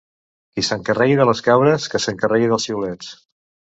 Qui s'encarregui de les cabres, que s'encarregui dels xiulets.